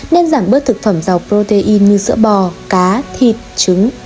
nên giảm bớt thực phẩm dầu protein như sữa bò cá thịt trứng